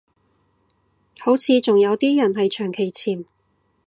好似仲有啲人係長期潛